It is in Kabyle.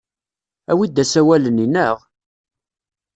Awi-d asawal-nni, naɣ?